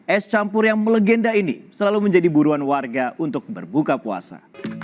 es campur yang melegenda ini selalu menjadi buruan warga untuk berbuka puasa